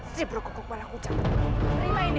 sibruk kukuh kuala hujan terima ini